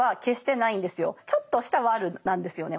ちょっとしたワルなんですよね